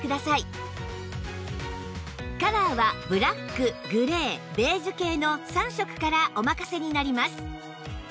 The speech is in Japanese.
カラーはブラックグレーベージュ系の３色からお任せになります